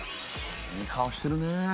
いい顔してるね。